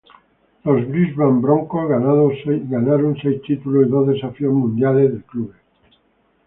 Los Brisbane Broncos ganado seis títulos y dos Desafíos Mundial de Clubes.